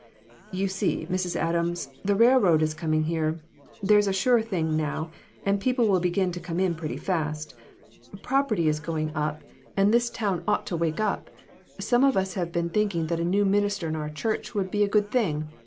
"You see, Mrs. Adams, the railroad is coming here. That's a sure thing now, and people will begin to come in pretty fast. Property is going IQO PERSECUTION OF THE SAINTS. up, and this town ought to wake up. Some of us have been thinking that a new minister in our church would be a good thing.